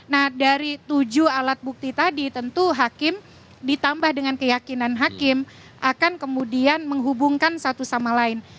nah dari tujuh alat bukti tadi tentu hakim ditambah dengan keyakinan hakim akan kemudian menghubungkan satu sama lain